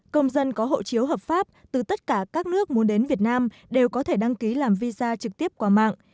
công dân có hộ chiếu hợp pháp từ tất cả các nước muốn đến việt nam đều có thể đăng ký làm visa trực tiếp qua mạng